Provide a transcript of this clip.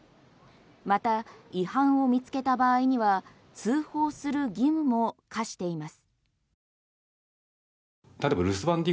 また、違反を見つけた場合には通報する義務も課しています。